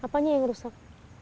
apanya yang rusak